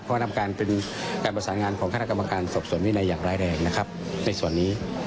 ก็นำการเป็นการประสานงานของคณะกรรมการสอบส่วนวินัยอย่างร้ายแรงนะครับในส่วนนี้